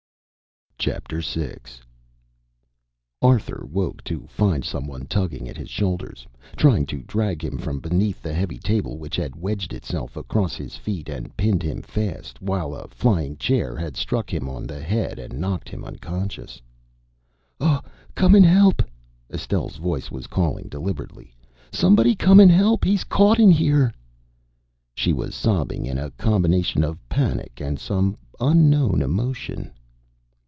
VI. Arthur woke to find some one tugging at his shoulders, trying to drag him from beneath the heavy table, which had wedged itself across his feet and pinned him fast, while a flying chair had struck him on the head and knocked him unconscious. "Oh, come and help," Estelle's voice was calling deliberately. "Somebody come and help! He's caught in here!" She was sobbing in a combination of panic and some unknown emotion.